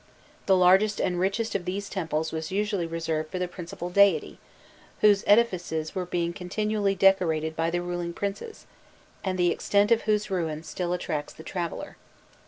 The largest and richest of these temples was usually reserved for the principal deity, whose edifices were being continually decorated by the ruling princes, and the extent of whose ruins still attracts the traveller.